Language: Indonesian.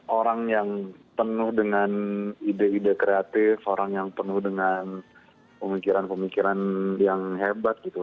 orang yang penuh dengan ide ide kreatif orang yang penuh dengan pemikiran pemikiran yang hebat gitu